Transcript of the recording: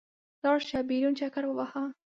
لاړ شه، بېرون چکر ووهه.